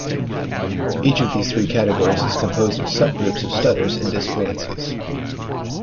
Each of these three categories is composed of subgroups of stutters and dysfluencies.